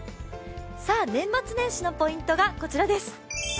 年末年始のポイントがこちらです。